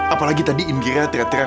apalagi tadi indira terak terak